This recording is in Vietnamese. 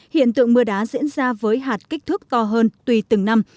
hiện tượng mưa đá diễn ra với hạt kích thước to hơn tùy từng năm